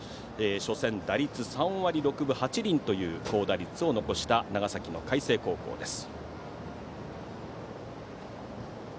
初戦、打率３割６分８厘という高打率を残した長崎の海星高校です。